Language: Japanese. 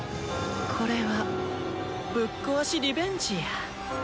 これは「ぶっこわしリベンジ」や。